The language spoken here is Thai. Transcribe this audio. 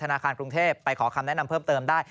ธนาคารกรุงเทพไปขอคำแนะนำเพิ่มเติมได้